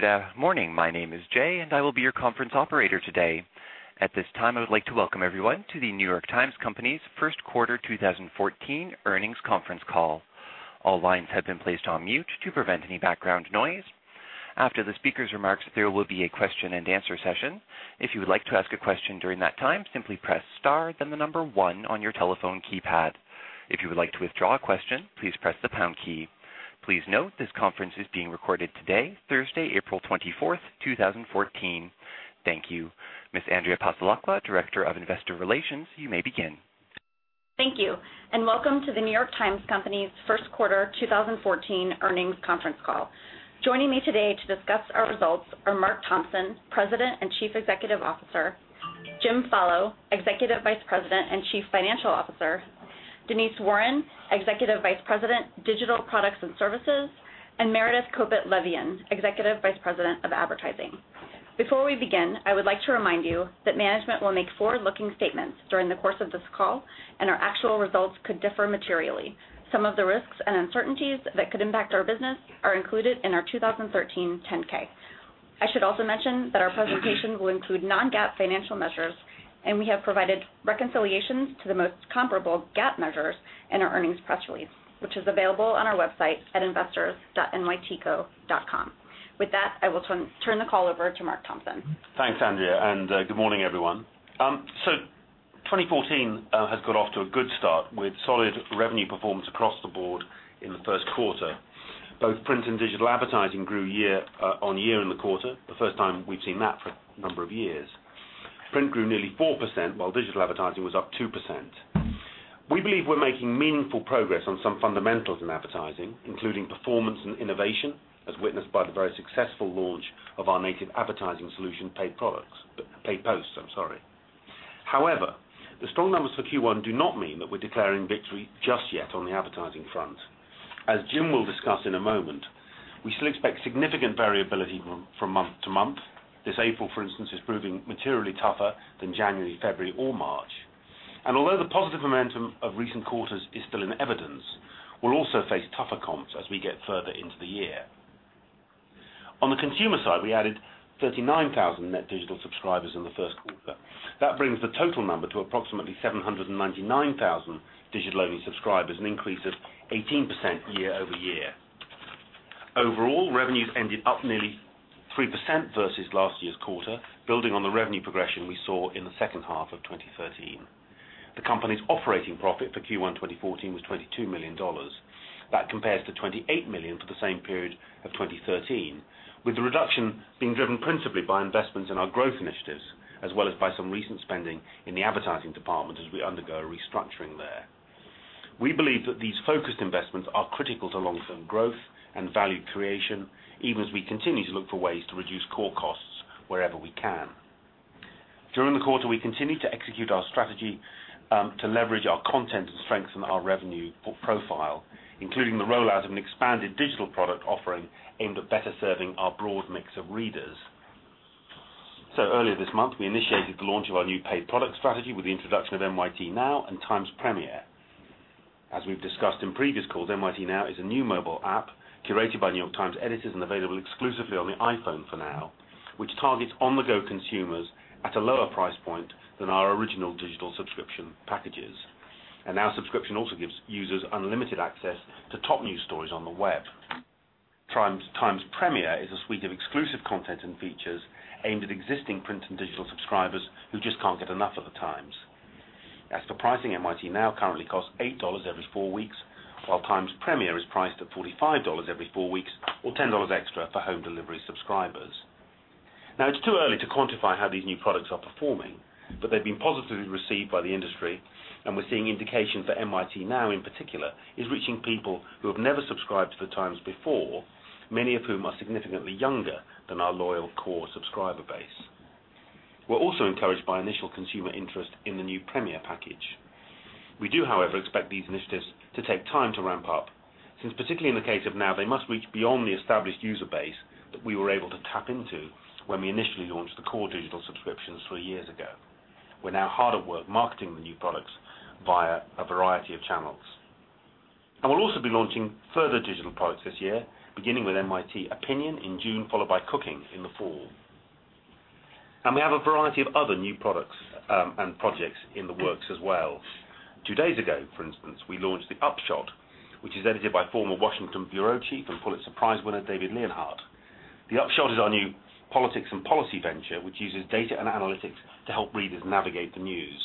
Good morning. My name is Jay, and I will be your conference operator today. At this time, I would like to welcome everyone to The New York Times Company's First Quarter 2014 Earnings Conference Call. All lines have been placed on mute to prevent any background noise. After the speaker's remarks, there will be a question and answer session. If you would like to ask a question during that time, simply press star then the number one on your telephone keypad. If you would like to withdraw a question, please press the pound key. Please note this conference is being recorded today, Thursday, April 24th, 2014. Thank you. Ms. Andrea Passalacqua, Director of Investor Relations, you may begin. Thank you, and welcome to The New York Times Company's First Quarter 2014 Earnings Conference Call. Joining me today to discuss our results are Mark Thompson, President and Chief Executive Officer, Jim Follo, Executive Vice President and Chief Financial Officer, Denise Warren, Executive Vice President, Digital Products and Services, and Meredith Kopit Levien, Executive Vice President of Advertising. Before we begin, I would like to remind you that management will make forward-looking statements during the course of this call, and our actual results could differ materially. Some of the risks and uncertainties that could impact our business are included in our 2013 10-K. I should also mention that our presentation will include non-GAAP financial measures, and we have provided reconciliations to the most comparable GAAP measures in our earnings press release, which is available on our website at investors.nytco.com. With that, I will turn the call over to Mark Thompson. Thanks, Andrea, and good morning, everyone. 2014 has got off to a good start with solid revenue performance across the board in the first quarter. Both print and digital advertising grew year-on-year in the quarter, the first time we've seen that for a number of years. Print grew nearly 4%, while digital advertising was up 2%. We believe we're making meaningful progress on some fundamentals in advertising, including performance and innovation, as witnessed by the very successful launch of our native advertising solution, Paid Posts. However, the strong numbers for Q1 do not mean that we're declaring victory just yet on the advertising front. As Jim will discuss in a moment, we still expect significant variability from month to month. This April, for instance, is proving materially tougher than January, February, or March. Although the positive momentum of recent quarters is still in evidence, we'll also face tougher comps as we get further into the year. On the consumer side, we added 39,000 net digital subscribers in the first quarter. That brings the total number to approximately 799,000 digital-only subscribers, an increase of 18% year-over-year. Overall, revenues ended up nearly 3% versus last year's quarter, building on the revenue progression we saw in the second half of 2013. The company's operating profit for Q1 2014 was $22 million. That compares to $28 million for the same period of 2013, with the reduction being driven principally by investments in our growth initiatives, as well as by some recent spending in the advertising department as we undergo a restructuring there. We believe that these focused investments are critical to long-term growth and value creation, even as we continue to look for ways to reduce core costs wherever we can. During the quarter, we continued to execute our strategy to leverage our content and strengthen our revenue profile, including the rollout of an expanded digital product offering aimed at better serving our broad mix of readers. Earlier this month, we initiated the launch of our new paid product strategy with the introduction of NYT Now and Times Premier. As we've discussed in previous calls, NYT Now is a new mobile app curated by New York Times editors and available exclusively on the iPhone for now, which targets on-the-go consumers at a lower price point than our original digital subscription packages. Now subscription also gives users unlimited access to top news stories on the web. Times Premier is a suite of exclusive content and features aimed at existing print and digital subscribers who just can't get enough of The Times. As for pricing, NYT Now currently costs $8 every four weeks, while Times Premier is priced at $45 every four weeks or $10 extra for home delivery subscribers. Now, it's too early to quantify how these new products are performing, but they've been positively received by the industry, and we're seeing indications that NYT Now, in particular, is reaching people who have never subscribed to The Times before, many of whom are significantly younger than our loyal core subscriber base. We're also encouraged by initial consumer interest in the new Premier package. We do, however, expect these initiatives to take time to ramp up, since particularly in the case of Now, they must reach beyond the established user base that we were able to tap into when we initially launched the core digital subscriptions three years ago. We're now hard at work marketing the new products via a variety of channels. We'll also be launching further digital products this year, beginning with NYT Opinion in June, followed by Cooking in the fall. We have a variety of other new products and projects in the works as well. Two days ago, for instance, we launched The Upshot, which is edited by former Washington Bureau Chief and Pulitzer Prize winner, David Leonhardt. The Upshot is our new politics and policy venture, which uses data and analytics to help readers navigate the news.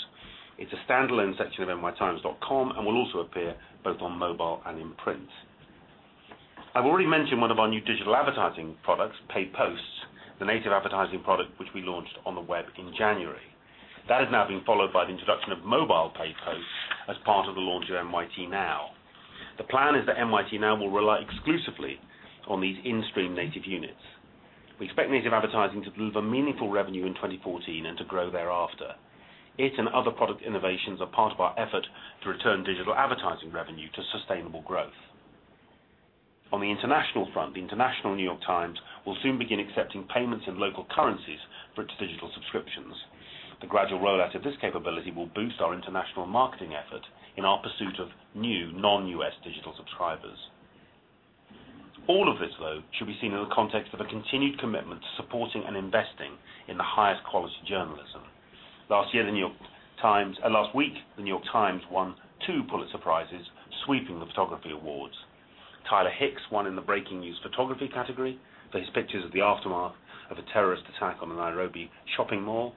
It's a standalone section of nytimes.com and will also appear both on mobile and in print. I've already mentioned one of our new digital advertising products, Paid Posts, the native advertising product which we launched on the web in January. That is now being followed by the introduction of mobile Paid Posts as part of the launch of NYT Now. The plan is that NYT Now will rely exclusively on these in-stream native units. We expect native advertising to deliver meaningful revenue in 2014 and to grow thereafter. It and other product innovations are part of our effort to return digital advertising revenue to sustainable growth. On the international front, the International New York Times will soon begin accepting payments in local currencies for its digital subscriptions. The gradual rollout of this capability will boost our international marketing effort in our pursuit of new non-U.S. digital subscribers. All of this, though, should be seen in the context of a continued commitment to supporting and investing in the highest quality journalism. Last week, The New York Times won two Pulitzer Prizes, sweeping the photography awards. Tyler Hicks won in the Breaking News Photography category for his pictures of the aftermath of a terrorist attack on a Nairobi shopping mall,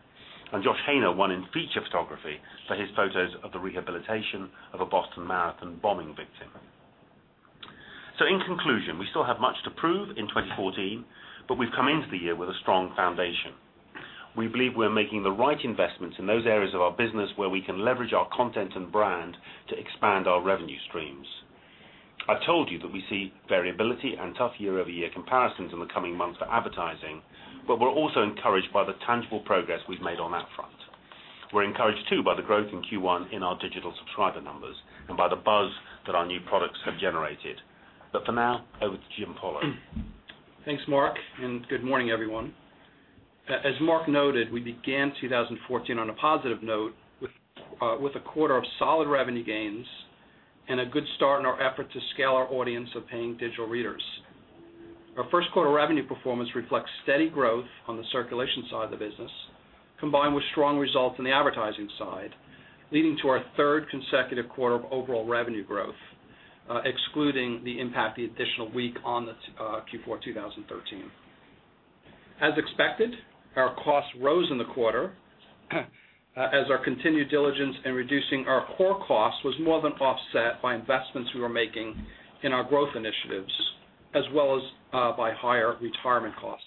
and Josh Haner won in Feature Photography for his photos of the rehabilitation of a Boston Marathon bombing victim. In conclusion, we still have much to prove in 2014, but we've come into the year with a strong foundation. We believe we're making the right investments in those areas of our business where we can leverage our content and brand to expand our revenue streams. I told you that we see variability and tough year-over-year comparisons in the coming months for advertising, but we're also encouraged by the tangible progress we've made on that front. We're encouraged too by the growth in Q1 in our digital subscriber numbers and by the buzz that our new products have generated. For now, over to Jim Follo. Thanks, Mark, and good morning, everyone. As Mark noted, we began 2014 on a positive note with a quarter of solid revenue gains and a good start in our effort to scale our audience of paying digital readers. Our first quarter revenue performance reflects steady growth on the circulation side of the business, combined with strong results in the advertising side, leading to our third consecutive quarter of overall revenue growth, excluding the impact of the additional week in Q4 2013. As expected, our costs rose in the quarter as our continued diligence in reducing our core costs was more than offset by investments we were making in our growth initiatives, as well as by higher retirement costs.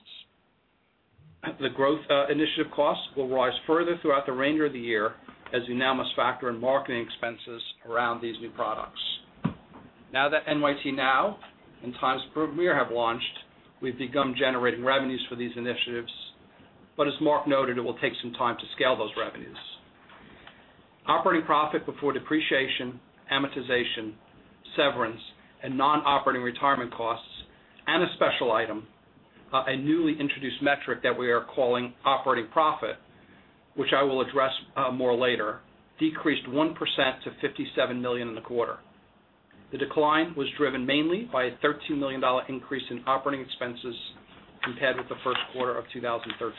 The growth initiative costs will rise further throughout the remainder of the year as we now must factor in marketing expenses around these new products. Now that NYT Now and Times Premier have launched, we've begun generating revenues for these initiatives. As Mark noted, it will take some time to scale those revenues. Operating profit before depreciation, amortization, severance, and non-operating retirement costs, and a special item, a newly introduced metric that we are calling operating profit, which I will address more later, decreased 1% to $57 million in the quarter. The decline was driven mainly by a $13 million increase in operating expenses compared with the first quarter of 2013,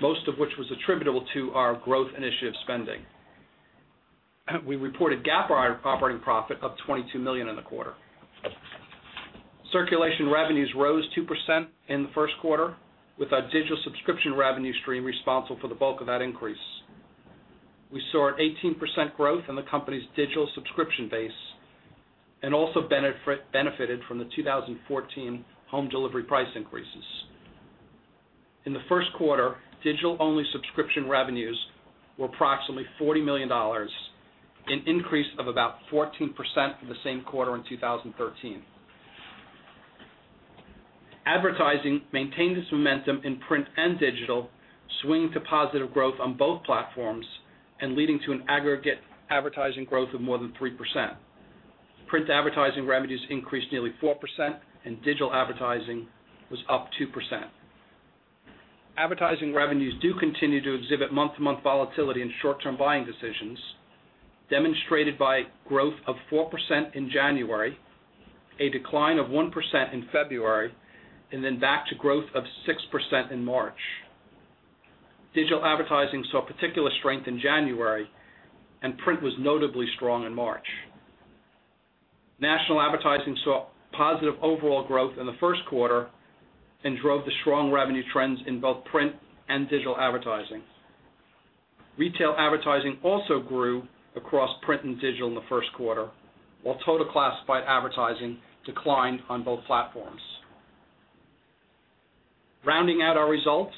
most of which was attributable to our growth initiative spending. We reported GAAP operating profit up $22 million in the quarter. Circulation revenues rose 2% in the first quarter, with our digital subscription revenue stream responsible for the bulk of that increase. We saw an 18% growth in the company's digital subscription base and also benefited from the 2014 home delivery price increases. In the first quarter, digital-only subscription revenues were approximately $40 million, an increase of about 14% from the same quarter in 2013. Advertising maintained its momentum in print and digital, swinging to positive growth on both platforms and leading to an aggregate advertising growth of more than 3%. Print advertising revenues increased nearly 4%, and digital advertising was up 2%. Advertising revenues do continue to exhibit month-to-month volatility in short-term buying decisions, demonstrated by growth of 4% in January, a decline of 1% in February, and then back to growth of 6% in March. Digital advertising saw particular strength in January, and print was notably strong in March. National advertising saw positive overall growth in the first quarter and drove the strong revenue trends in both print and digital advertising. Retail advertising also grew across print and digital in the first quarter, while total classified advertising declined on both platforms. Rounding out our results,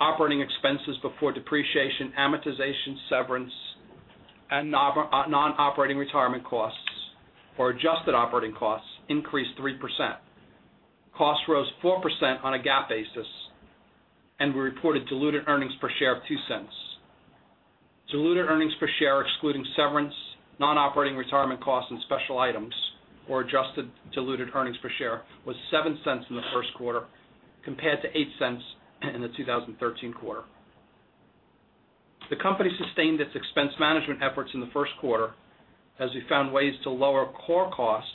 operating expenses before depreciation, amortization, severance, and non-operating retirement costs, or adjusted operating costs, increased 3%. Costs rose 4% on a GAAP basis, and we reported diluted earnings per share of $0.02. Diluted earnings per share excluding severance, non-operating retirement costs, and special items, or adjusted diluted earnings per share, was $0.07 in the first quarter compared to $0.08 in the 2013 quarter. The company sustained its expense management efforts in the first quarter as we found ways to lower core costs,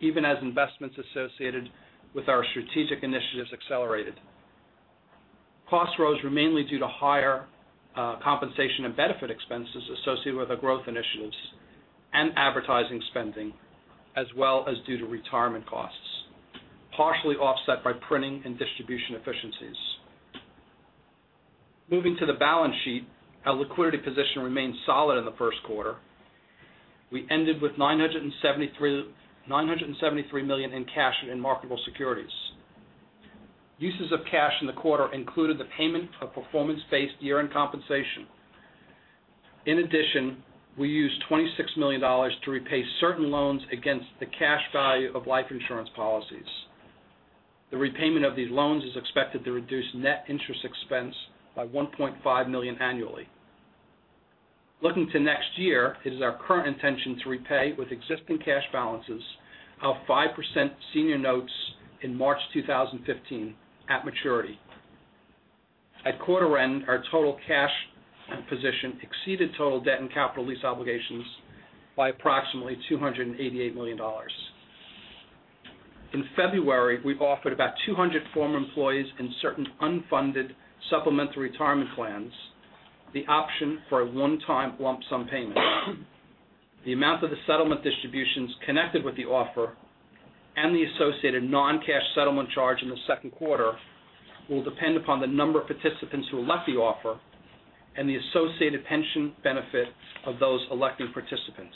even as investments associated with our strategic initiatives accelerated. Costs rose, were mainly due to higher compensation and benefit expenses associated with our growth initiatives and advertising spending, as well as due to retirement costs, partially offset by printing and distribution efficiencies. Moving to the balance sheet, our liquidity position remained solid in the first quarter. We ended with $973 million in cash and marketable securities. Uses of cash in the quarter included the payment of performance-based year-end compensation. In addition, we used $26 million to repay certain loans against the cash value of life insurance policies. The repayment of these loans is expected to reduce net interest expense by $1.5 million annually. Looking to next year, it is our current intention to repay with existing cash balances our 5% senior notes in March 2015 at maturity. At quarter end, our total cash position exceeded total debt and capital lease obligations by approximately $288 million. In February, we offered about 200 former employees in certain unfunded supplementary retirement plans the option for a one-time lump sum payment. The amount of the settlement distributions connected with the offer and the associated non-cash settlement charge in the second quarter will depend upon the number of participants who elect the offer and the associated pension benefit of those elected participants.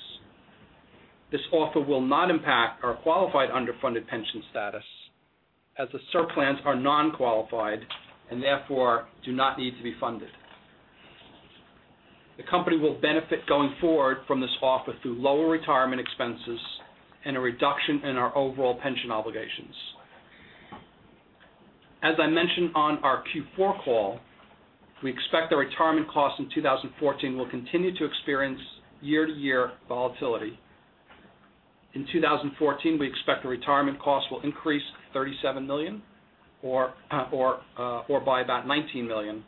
This offer will not impact our qualified underfunded pension status as the SERP plans are non-qualified and therefore do not need to be funded. The company will benefit going forward from this offer through lower retirement expenses and a reduction in our overall pension obligations. As I mentioned on our Q4 call, we expect the retirement costs in 2014 will continue to experience year-to-year volatility. In 2014, we expect the retirement costs will increase $37 million or by about $19 million,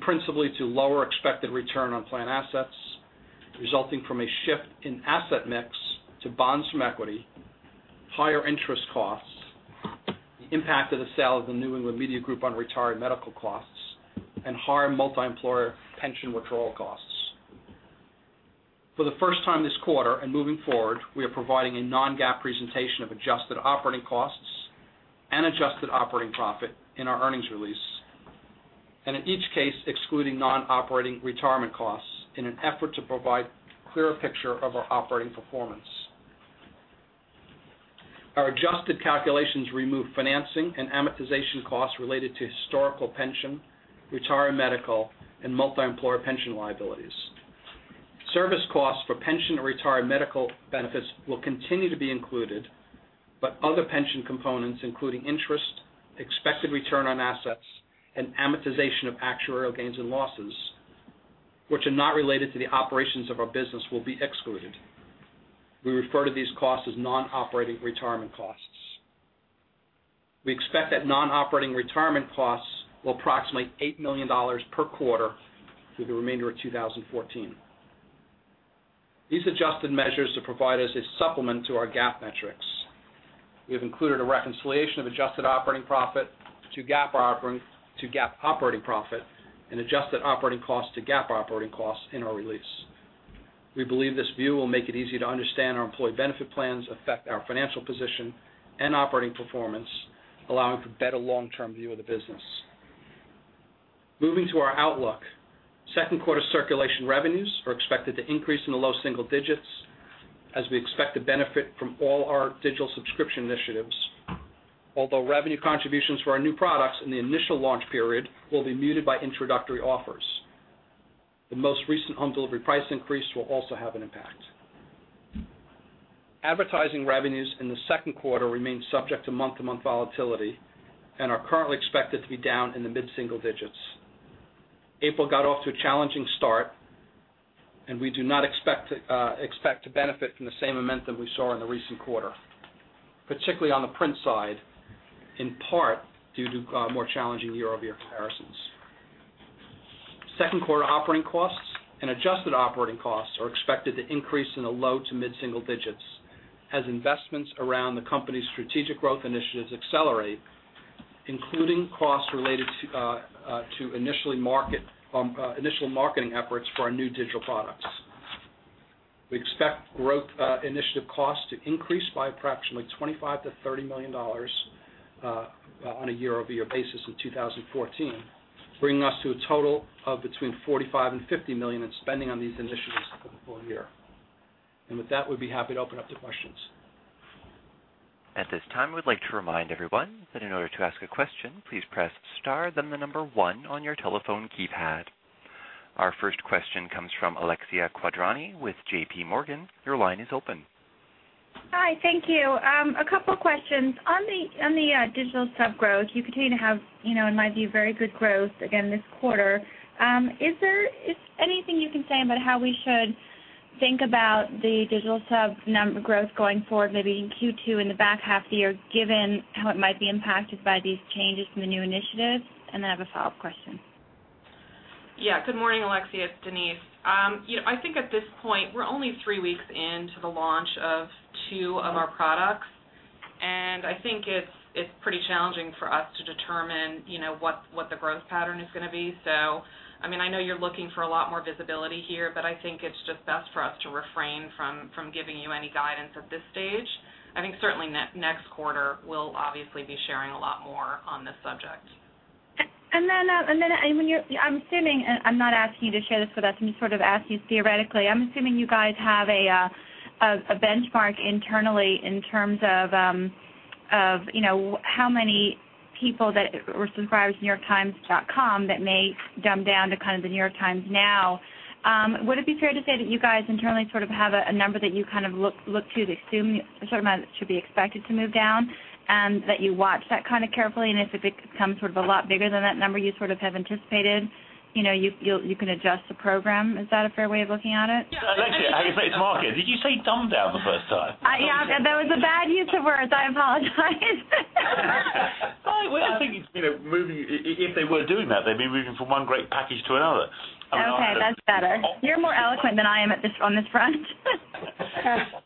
principally to lower expected return on plan assets resulting from a shift in asset mix to bonds from equity, higher interest costs, the impact of the sale of the New England Media Group on retired medical costs, and higher multiemployer pension withdrawal costs. For the first time this quarter and moving forward, we are providing a non-GAAP presentation of adjusted operating costs and adjusted operating profit in our earnings release, and in each case excluding non-operating retirement costs in an effort to provide a clearer picture of our operating performance. Our adjusted calculations remove financing and amortization costs related to historical pension, retired medical, and multiemployer pension liabilities. Service costs for pension and retired medical benefits will continue to be included, but other pension components including interest, expected return on assets, and amortization of actuarial gains and losses, which are not related to the operations of our business, will be excluded. We refer to these costs as non-operating retirement costs. We expect that non-operating retirement costs will approximate $8 million per quarter through the remainder of 2014. These adjusted measures are to provide us a supplement to our GAAP metrics. We have included a reconciliation of adjusted operating profit to GAAP operating profit and adjusted operating costs to GAAP operating costs in our release. We believe this view will make it easy to understand how our employee benefit plans affect our financial position and operating performance, allowing for a better long-term view of the business. Moving to our outlook. Second quarter circulation revenues are expected to increase in the low single digits as we expect to benefit from all our digital subscription initiatives, although revenue contributions for our new products in the initial launch period will be muted by introductory offers. The most recent home delivery price increase will also have an impact. Advertising revenues in the second quarter remain subject to month-to-month volatility and are currently expected to be down in the mid-single digits. April got off to a challenging start, and we do not expect to benefit from the same momentum we saw in the recent quarter, particularly on the print side, in part due to more challenging year-over-year comparisons. Second quarter operating costs and adjusted operating costs are expected to increase in the low- to mid-single digits% as investments around the company's strategic growth initiatives accelerate, including costs related to initial marketing efforts for our new digital products. We expect growth initiative costs to increase by approximately $25 million-$30 million on a year-over-year basis in 2014, bringing us to a total of between $45 million and $50 million in spending on these initiatives for the full year. With that, we'd be happy to open up to questions. At this time, we'd like to remind everyone that in order to ask a question, please press star then the number one on your telephone keypad. Our first question comes from Alexia Quadrani with JPMorgan. Your line is open. Hi, thank you. A couple questions. On the digital sub growth, you continue to have, in my view, very good growth again this quarter. Is there anything you can say about how we should think about the digital sub growth going forward, maybe in Q2, in the back half of the year, given how it might be impacted by these changes from the new initiatives? And then I have a follow-up question. Yeah. Good morning, Alexia, it's Denise. I think at this point, we're only three weeks into the launch of two of our products, and I think it's pretty challenging for us to determine what the growth pattern is going to be. I know you're looking for a lot more visibility here, but I think it's just best for us to refrain from giving you any guidance at this stage. I think certainly next quarter we'll obviously be sharing a lot more on this subject. I'm assuming, I'm not asking you to share this with us, I'm just sort of asking you theoretically, I'm assuming you guys have a benchmark internally in terms of how many people that were subscribers to nytimes.com that may dumb down to kind of The New York Times now. Would it be fair to say that you guys internally sort of have a number that you look to assume a certain amount that should be expected to move down, and that you watch that kind of carefully, and if it becomes sort of a lot bigger than that number you sort of have anticipated, you can adjust the program? Is that a fair way of looking at it? Actually, I have to say to Alexia, did you say dumb down the first time? Yeah. That was a bad use of words. I apologize. Well, I think, if they were doing that, they'd be moving from one great package to another. I mean. Okay, that's better. You're more eloquent than I am on this front.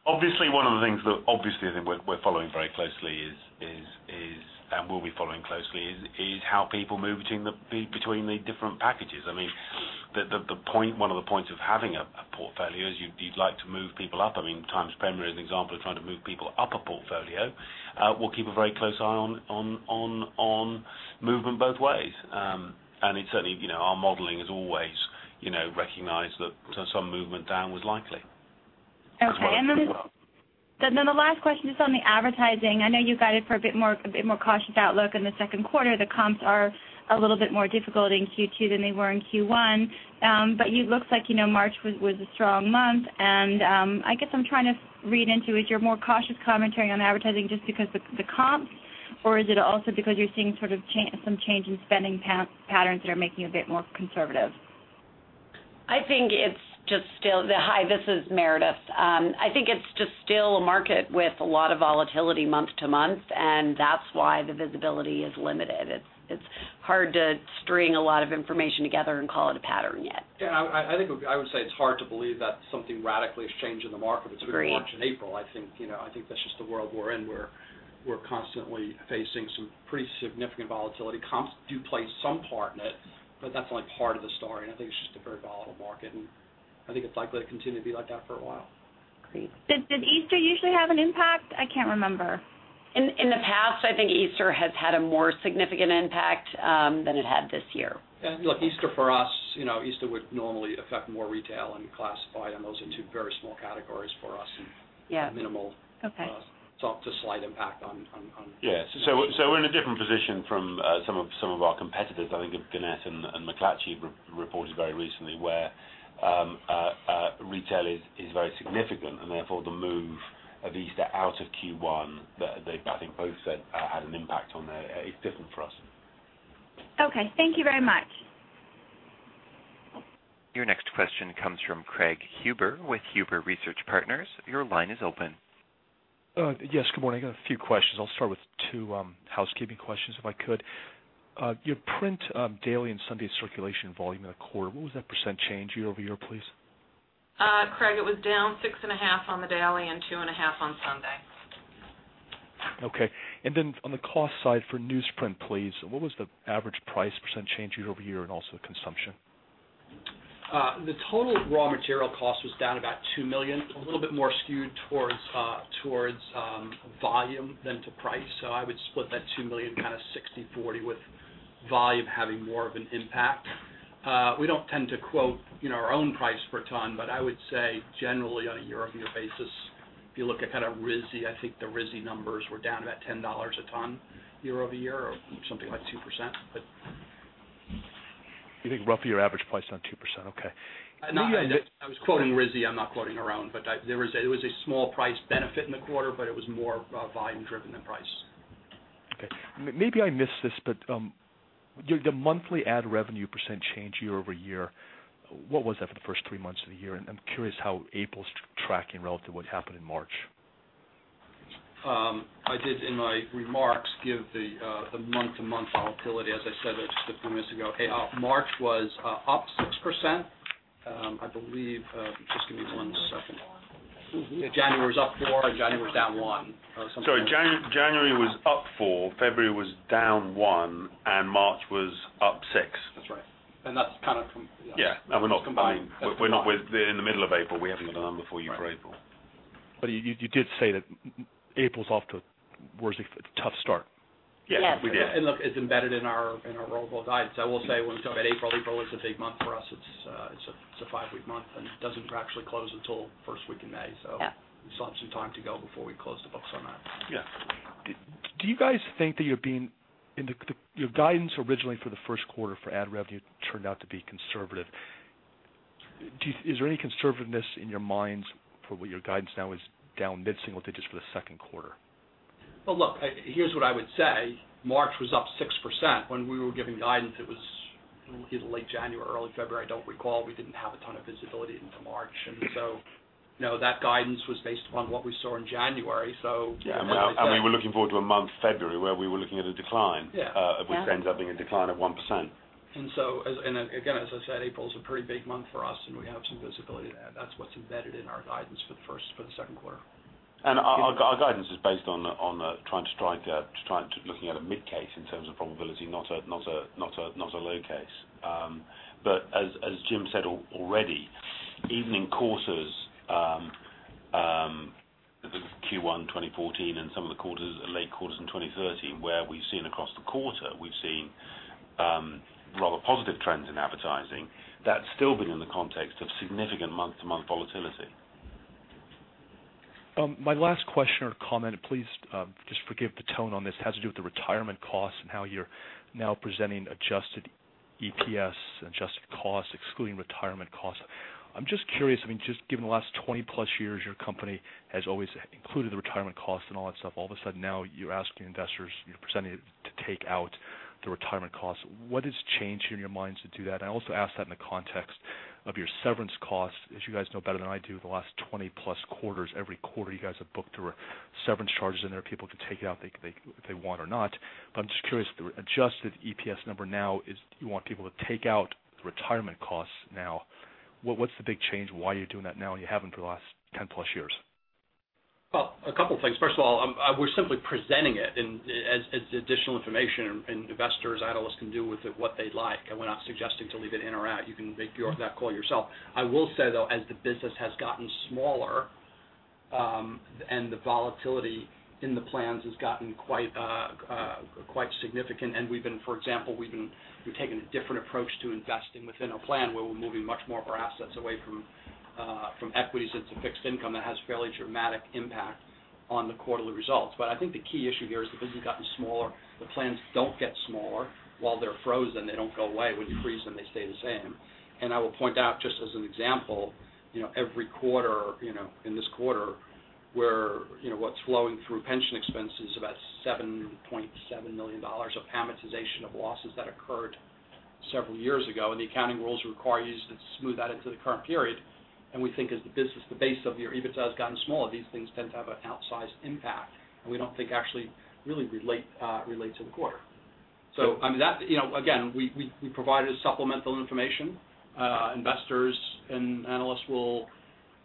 Obviously, one of the things that we're following very closely is, and will be following closely, is how people move between the different packages. I mean, one of the points of having a portfolio is you'd like to move people up. Times Premier is an example of trying to move people up a portfolio. We'll keep a very close eye on movement both ways. Certainly, our modeling has always recognized that some movement down was likely. Okay. As well as up. Then the last question, just on the advertising. I know you guided for a bit more cautious outlook in the second quarter. The comps are a little bit more difficult in Q2 than they were in Q1. It looks like March was a strong month. I guess I'm trying to read into, is your more cautious commentary on advertising just because of the comps, or is it also because you're seeing sort of some change in spending patterns that are making you a bit more conservative? Hi, this is Meredith. I think it's just still a market with a lot of volatility month to month, and that's why the visibility is limited. It's hard to string a lot of information together and call it a pattern yet. Yeah, I would say it's hard to believe that something radically has changed in the market. Agreed Between March and April. I think that's just the world we're in, where we're constantly facing some pretty significant volatility. Comps do play some part in it, but that's only part of the story, and I think it's just a very volatile market, and I think it's likely to continue to be like that for a while. Agreed. Did Easter usually have an impact? I can't remember. In the past, I think Easter has had a more significant impact than it had this year. Look, Easter for us, Easter would normally affect more retail and classified, and those are two very small categories for us. Yeah minimal. Okay. It's a slight impact on. Yeah. We're in a different position from some of our competitors. I think Gannett and McClatchy reported very recently, where retail is very significant, and therefore, the move of Easter out of Q1, I think both said, had an impact on there. It's different for us. Okay. Thank you very much. Your next question comes from Craig Huber with Huber Research Partners. Your line is open. Yes, good morning. I've got a few questions. I'll start with two housekeeping questions, if I could. Your print daily and Sunday circulation volume in the quarter, what was that percent change year-over-year, please? Craig, it was down 6.5% on the daily and 2.5% on Sunday. Okay. On the cost side for newsprint, please, what was the average price percent change year-over-year, and also the consumption? The total raw material cost was down about $2 million. A little bit more skewed towards volume than to price. I would split that 2 million kind of 60/40, with volume having more of an impact. We don't tend to quote our own price per ton, but I would say generally, on a year-over-year basis, if you look at kind of RISI, I think the RISI numbers were down about $10 a ton year-over-year or something like 2%. You think roughly your average price is down 2%. Okay. No, I was quoting RISI. I'm not quoting our own. There was a small price benefit in the quarter, but it was more volume driven than price. Okay. Maybe I missed this, but the monthly ad revenue % change year-over-year, what was that for the first three months of the year? I'm curious how April's tracking relative to what happened in March. I did, in my remarks, give the month-to-month volatility. As I said just a few minutes ago, March was up 6%. I believe. Just give me one second. January was up 4% and February was down 1%. Or something. Sorry, January was up 4%, February was down 1%, and March was up 6%. That's right. Yeah. No, we're not. Combined. We're not in the middle of April. We haven't got a number for you for April. Right. You did say that April's off to a tough start. Yeah. Yes. Look, it's embedded in our rollable guidance. I will say when we talk about April is a big month for us. It's a five-week month, and it doesn't actually close until the first week in May. Yeah. We still have some time to go before we close the books on that. Yeah. Your guidance originally for the first quarter for ad revenue turned out to be conservative. Is there any conservativeness in your minds for what your guidance now is down mid-single digits for the second quarter? Well, look, here's what I would say. March was up 6%. When we were giving guidance, it was either late January or early February. I don't recall. We didn't have a ton of visibility into March. That guidance was based upon what we saw in January. Yeah, we were looking forward to a month, February, where we were looking at a decline. Yeah which ends up being a decline of 1%. Again, as I said, April's a pretty big month for us, and we have some visibility to that. That's what's embedded in our guidance for the second quarter. Our guidance is based on trying to strike at looking at a mid-case in terms of probability, not a low case. As Jim said already, even in quarters, Q1 2014 and some of the late quarters in 2013, where we've seen across the quarter, we've seen rather positive trends in advertising. That's still been in the context of significant month-to-month volatility. My last question or comment, please just forgive the tone on this. It has to do with the retirement costs and how you're now presenting adjusted EPS, adjusted costs, excluding retirement costs. I'm just curious, just given the last 20+ years, your company has always included the retirement costs and all that stuff. All of a sudden, now you're asking investors, you're presenting to take out the retirement costs. What has changed in your minds to do that? I also ask that in the context of your severance costs. As you guys know better than I do, the last 20+ quarters, every quarter, you guys have booked your severance charges in there. People can take it out if they want or not. I'm just curious, the adjusted EPS number now is you want people to take out the retirement costs now. What's the big change? Why are you doing that now? You haven't for the last 10+ years. Well, a couple of things. First of all, we're simply presenting it as additional information, and investors, analysts can do with it what they'd like. We're not suggesting to leave it in or out. You can make that call yourself. I will say, though, as the business has gotten smaller, and the volatility in the plans has gotten quite significant. For example, we've taken a different approach to investing within our plan, where we're moving much more of our assets away from equities into fixed income. That has fairly dramatic impact on the quarterly results. I think the key issue here is the business has gotten smaller. The plans don't get smaller while they're frozen. They don't go away when you freeze them. They stay the same. I will point out, just as an example, every quarter, in this quarter, what's flowing through pension expense is about $7.7 million of amortization of losses that occurred several years ago. The accounting rules require you to smooth that into the current period. We think as the business, the base of your EBITDA has gotten smaller, these things tend to have an outsized impact. We don't think actually really relate to the quarter. Again, we provided supplemental information. Investors and analysts will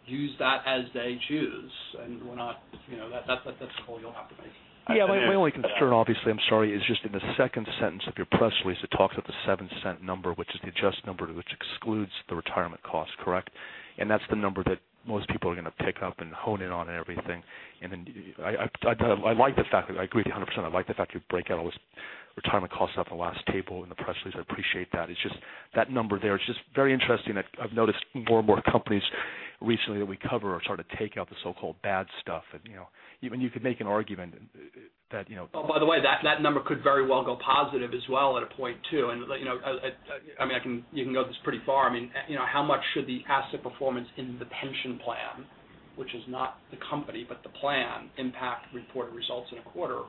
use that as they choose. That's the call you'll have to make. Yeah. My only concern, obviously, I'm sorry, is just in the second sentence of your press release, it talks about the $0.07 number, which is the adjusted number, which excludes the retirement cost, correct? That's the number that most people are going to pick up and hone in on and everything. I like the fact that I agree 100%. I like the fact you break out all those retirement costs up in the last table in the press release. I appreciate that. It's just that number there, it's just very interesting. I've noticed more and more companies recently that we cover are sort of taking out the so-called bad stuff. Even you could make an argument that you know. By the way, that number could very well go positive as well at a point, too. You can go this pretty far. How much should the asset performance in the pension plan, which is not the company but the plan, impact reported results in a quarter?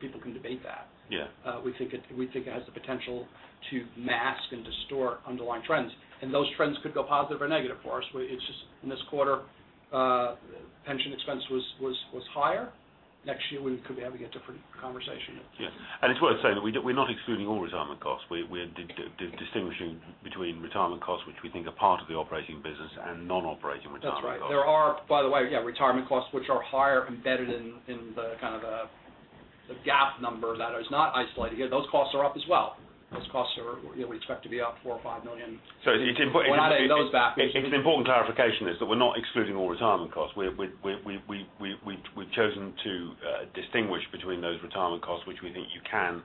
People can debate that. Yeah. We think it has the potential to mask and distort underlying trends, and those trends could go positive or negative for us, where it's just in this quarter, pension expense was higher. Next year, we could be having a different conversation. Yes. It's worth saying that we're not excluding all retirement costs. We're distinguishing between retirement costs, which we think are part of the operating business, and non-operating retirement costs. That's right. There are, by the way, retirement costs which are higher embedded in the kind of the GAAP number that is not isolated here. Those costs are up as well. Those costs we expect to be up $4 million or $5 million. We're not adding those back. It's an important clarification that we're not excluding all retirement costs. We've chosen to distinguish between those retirement costs, which we think you can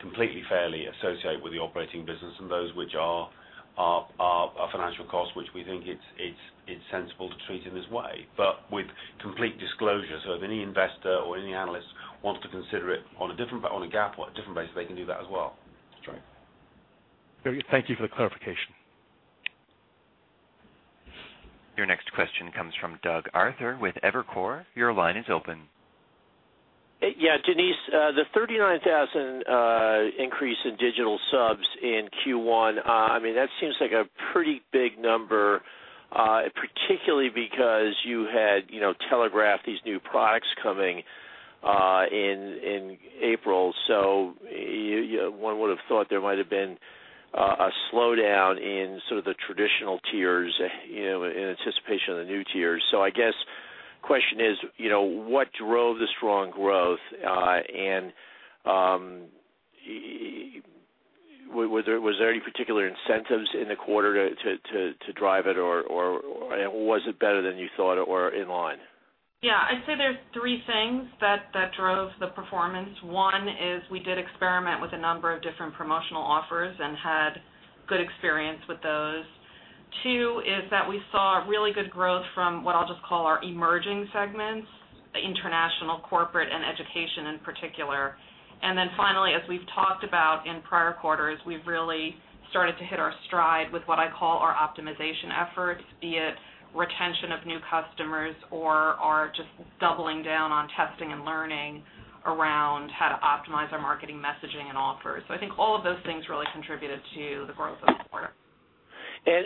completely fairly associate with the operating business and those which are our financial costs, which we think it's sensible to treat in this way, but with complete disclosure. If any investor or any analyst wants to consider it on a different, but on a GAAP or a different basis, they can do that as well. That's right. Very good. Thank you for the clarification. Your next question comes from Doug Arthur with Evercore. Your line is open. Yeah. Denise, the 39,000 increase in digital subs in Q1, that seems like a pretty big number, particularly because you had telegraphed these new products coming in April. One would've thought there might've been a slowdown in sort of the traditional tiers, in anticipation of the new tiers. I guess the question is, what drove the strong growth? Was there any particular incentives in the quarter to drive it, or was it better than you thought or in line? Yeah. I'd say there's three things that drove the performance. One is we did experiment with a number of different promotional offers and had good experience with those. Two is that we saw really good growth from what I'll just call our emerging segments, the international, corporate, and education in particular. And then finally, as we've talked about in prior quarters, we've really started to hit our stride with what I call our optimization efforts, be it retention of new customers or our just doubling down on testing and learning around how to optimize our marketing messaging and offers. I think all of those things really contributed to the growth in the quarter. And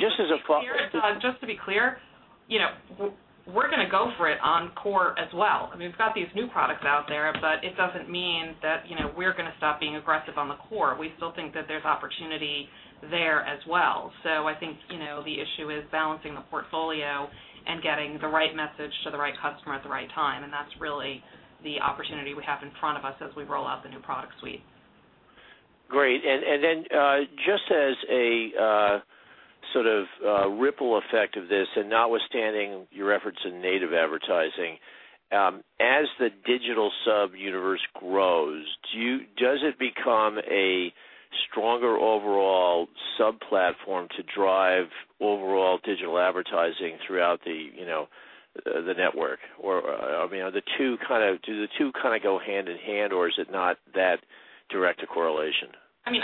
just as a- Just to be clear, we're going to go for it on core as well. We've got these new products out there, but it doesn't mean that we're going to stop being aggressive on the core. We still think that there's opportunity there as well. I think the issue is balancing the portfolio and getting the right message to the right customer at the right time, and that's really the opportunity we have in front of us as we roll out the new product suite. Great. A ripple effect of this, and notwithstanding your efforts in native advertising, as the digital subscription universe grows, does it become a stronger overall sub-platform to drive overall digital advertising throughout the network? Or do the two kind of go hand in hand, or is it not that direct a correlation?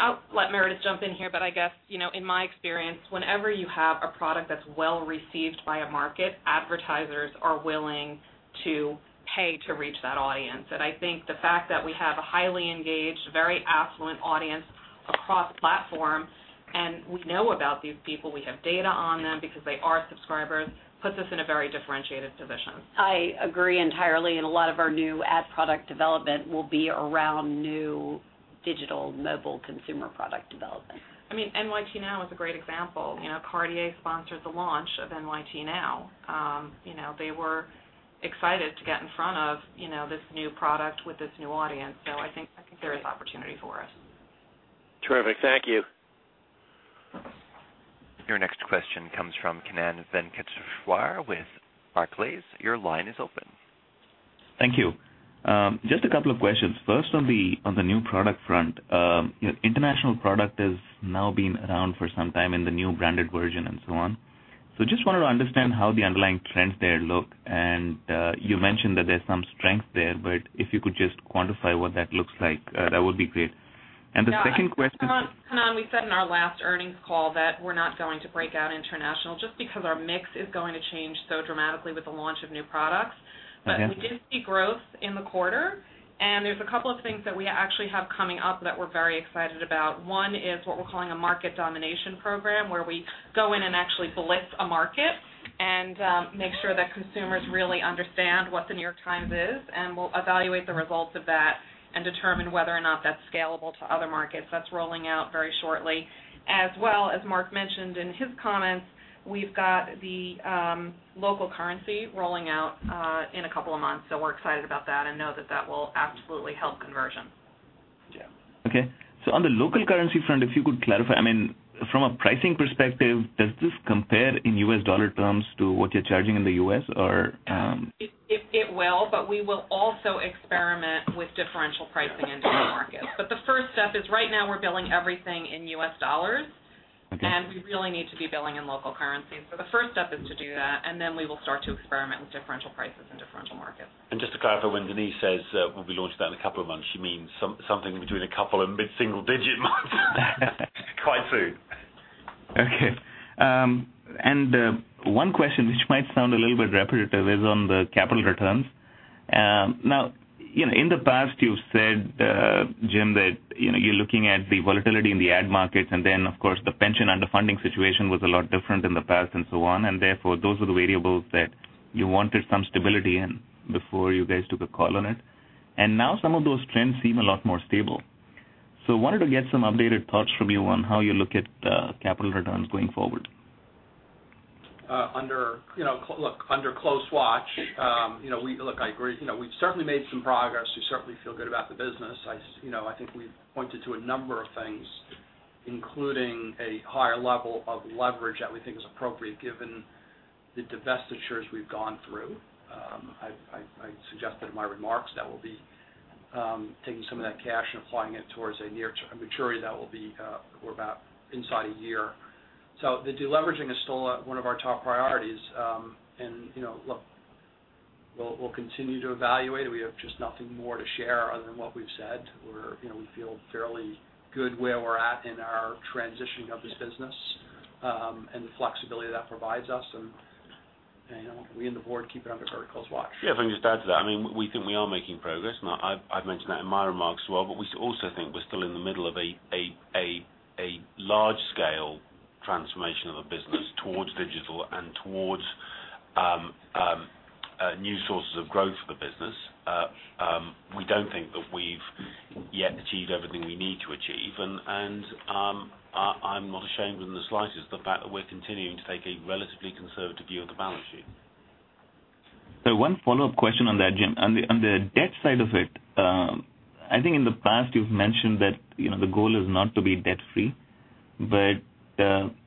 I'll let Meredith jump in here, but I guess, in my experience, whenever you have a product that's well-received by a market, advertisers are willing to pay to reach that audience. I think the fact that we have a highly engaged, very affluent audience across platforms, and we know about these people, we have data on them because they are subscribers, puts us in a very differentiated position. I agree entirely, and a lot of our new ad product development will be around new digital mobile consumer product development. NYT Now is a great example. Cartier sponsored the launch of NYT Now. They were excited to get in front of this new product with this new audience. I think there is opportunity for us. Terrific. Thank you. Your next question comes from Kannan Venkateshwar with Barclays. Your line is open. Thank you. Just a couple of questions. First, on the new product front. International product has now been around for some time in the new branded version and so on. So just wanted to understand how the underlying trends there look, and you mentioned that there's some strength there, but if you could just quantify what that looks like, that would be great. The second question. Kannan, we said in our last earnings call that we're not going to break out international just because our mix is going to change so dramatically with the launch of new products. Okay. We did see growth in the quarter, and there's a couple of things that we actually have coming up that we're very excited about. One is what we're calling a market domination program, where we go in and actually blitz a market and make sure that consumers really understand what The New York Times is, and we'll evaluate the results of that and determine whether or not that's scalable to other markets. That's rolling out very shortly. As well, as Mark mentioned in his comments, we've got the local currency rolling out in a couple of months. We're excited about that and know that will absolutely help conversion. Yeah. Okay. On the local currency front, if you could clarify, from a pricing perspective, does this compare in U.S. dollar terms to what you're charging in the U.S. or? It will, but we will also experiment with differential pricing in different markets. The first step is right now we're billing everything in U.S. dollars. Okay. We really need to be billing in local currency. The first step is to do that, and then we will start to experiment with differential prices in differential markets. Just to clarify, when Denise says we'll be launching that in a couple of months, she means something between a couple and mid-single digit months. Quite soon. Okay. One question which might sound a little bit repetitive is on the capital returns. Now, in the past you said, Jim, that you're looking at the volatility in the ad markets and then, of course, the pension underfunding situation was a lot different in the past and so on. Therefore, those were the variables that you wanted some stability in before you guys took a call on it. Now some of those trends seem a lot more stable. Wanted to get some updated thoughts from you on how you look at capital returns going forward. Look, under close watch. Look, I agree. We've certainly made some progress. We certainly feel good about the business. I think we've pointed to a number of things, including a higher level of leverage that we think is appropriate given the divestitures we've gone through. I suggested in my remarks that we'll be taking some of that cash and applying it towards a maturity that will be due in about a year. The deleveraging is still one of our top priorities. Look, we'll continue to evaluate it. We just have nothing more to share other than what we've said. We feel fairly good where we're at in our transitioning of this business, and the flexibility that provides us, and we and the board keep it under very close watch. Yeah. If I can just add to that, we think we are making progress, and I've mentioned that in my remarks as well, but we also think we're still in the middle of a large-scale transformation of the business towards digital and towards new sources of growth for the business. We don't think that we've yet achieved everything we need to achieve. I'm not ashamed in the slightest the fact that we're continuing to take a relatively conservative view of the balance sheet. One follow-up question on that, Jim. On the debt side of it, I think in the past you've mentioned that the goal is not to be debt-free.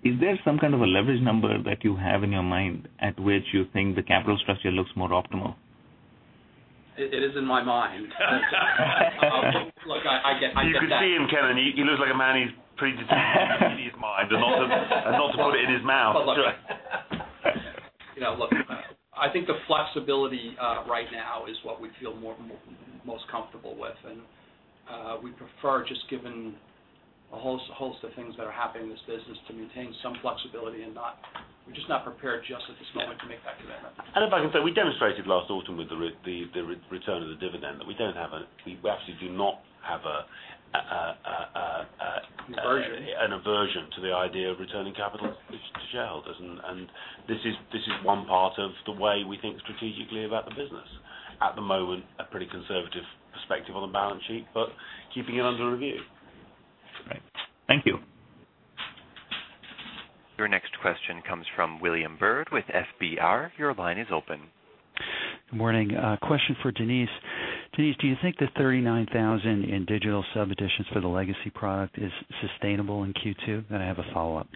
Is there some kind of a leverage number that you have in your mind at which you think the capital structure looks more optimal? It is in my mind. Look, I get that. You could see him, Kannan. He looks like a man who's pretty determined to keep it in his mind and not to put it in his mouth. Look, I think the flexibility right now is what we feel most comfortable with, and we prefer just given a host of things that are happening in this business to maintain some flexibility, and we're just not prepared just at this moment to make that commitment. If I can say, we demonstrated last autumn with the return of the dividend, that we actually do not have an- Aversion We have an aversion to the idea of returning capital to shareholders, and this is one part of the way we think strategically about the business. At the moment, we have a pretty conservative perspective on the balance sheet, but keeping it under review. Right. Thank you. Your next question comes from William Bird with FBR. Your line is open. Good morning. Question for Denise. Denise, do you think the 39,000 in digital sub additions for the legacy product is sustainable in Q2? Then I have a follow-up.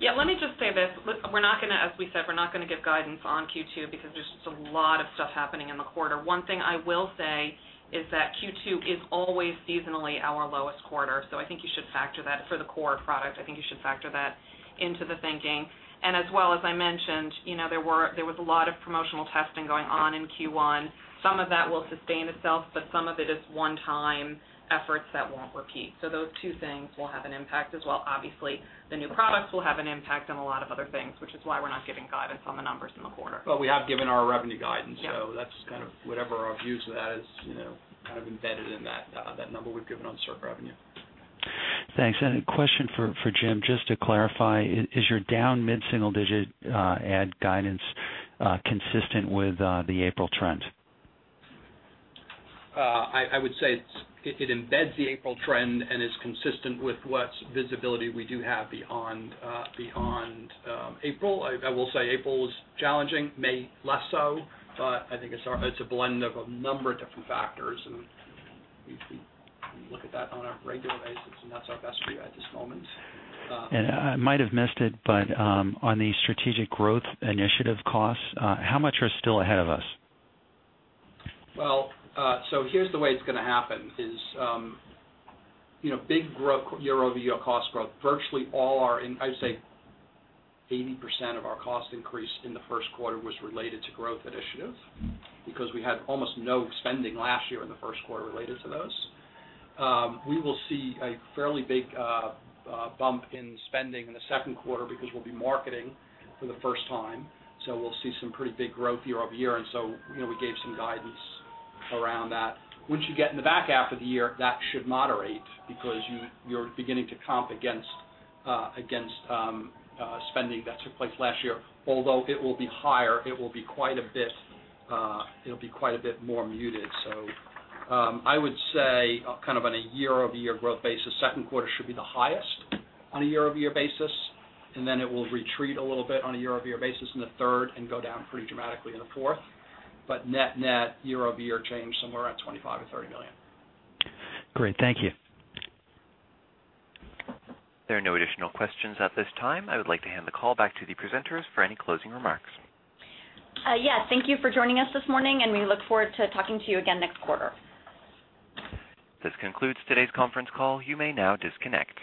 Yeah. Let me just say this. As we said, we're not going to give guidance on Q2 because there's just a lot of stuff happening in the quarter. One thing I will say is that Q2 is always seasonally our lowest quarter. I think you should factor that for the core product. I think you should factor that into the thinking. As well, as I mentioned, there was a lot of promotional testing going on in Q1. Some of that will sustain itself, but some of it is one-time efforts that won't repeat. Those two things will have an impact as well obviously. The new products will have an impact on a lot of other things, which is why we're not giving guidance on the numbers in the quarter. We have given our revenue guidance. Yeah. That's kind of whatever our views of that is, kind of embedded in that number we've given on circ revenue. Thanks. A question for Jim, just to clarify, is your down mid-single digit ad guidance consistent with the April trend? I would say it embeds the April trend and is consistent with what visibility we do have beyond April. I will say April is challenging, May less so, but I think it's a blend of a number of different factors, and we look at that on a regular basis, and that's our best view at this moment. I might have missed it, but on the strategic growth initiative costs, how much are still ahead of us? Well, here's the way it's going to happen is big year-over-year cost growth, virtually all our, I'd say 80% of our cost increase in the first quarter was related to growth initiatives because we had almost no spending last year in the first quarter related to those. We will see a fairly big bump in spending in the second quarter because we'll be marketing for the first time, so we'll see some pretty big growth year-over-year. We gave some guidance around that. Once you get in the back half of the year, that should moderate because you're beginning to comp against spending that took place last year. Although it will be higher, it'll be quite a bit more muted. I would say, kind of on a year-over-year growth basis, second quarter should be the highest on a year-over-year basis, and then it will retreat a little bit on a year-over-year basis in the third and go down pretty dramatically in the fourth. Net year-over-year change, somewhere around $25 million-$30 million. Great. Thank you. There are no additional questions at this time. I would like to hand the call back to the presenters for any closing remarks. Yeah. Thank you for joining us this morning, and we look forward to talking to you again next quarter. This concludes today's conference call. You may now disconnect.